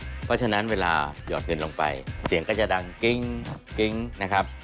เพราะฉะนั้นเวลาหยอดเงินลงไปเสียงก็จะดังกิ๊งกิ๊งนะครับ